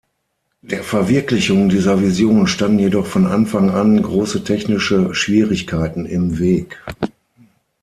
Der Verwirklichung dieser Vision standen jedoch von Anfang an große technische Schwierigkeiten im Weg.